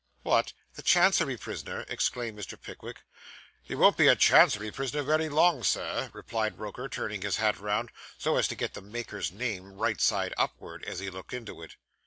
'What! The Chancery prisoner!' exclaimed Mr. Pickwick. 'He won't be a Chancery prisoner wery long, Sir,' replied Roker, turning his hat round, so as to get the maker's name right side upwards, as he looked into it.